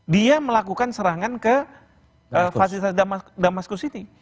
dia melakukan serangan ke fasilitas damascus ini